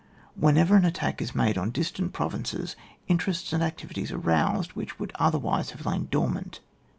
Whenever an attack is made on distant provinces, inter ests and activities are roused, which would otherwise have lain dormant.